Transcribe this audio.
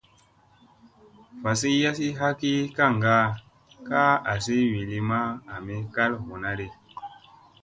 Vasi yassi ha ki kaŋgaa ka a asi wi li ma ami kal huuna di.